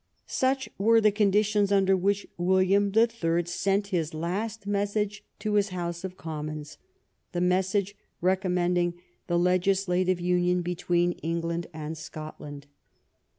Such were the conditions under which William the Third sent his last message to his House of Commons, the message recommending the legislative union be 170 THE UNION WITH SCOTLAND tween England and Scotland.